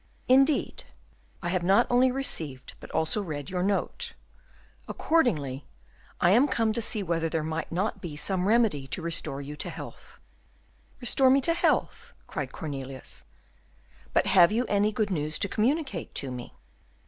"Indeed, I have not only received, but also read your note. Accordingly I am come to see whether there might not be some remedy to restore you to health." "Restore me to health?" cried Cornelius; "but have you any good news to communicate to me?"